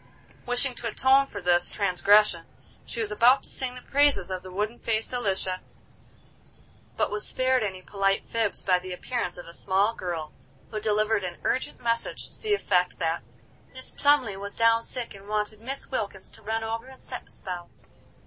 Wishing to atone for this transgression she was about to sing the praises of the wooden faced Elisha, but was spared any polite fibs by the appearance of a small girl who delivered an urgent message to the effect, that "Mis Plumly was down sick and wanted Mis Wilkins to run over and set a spell."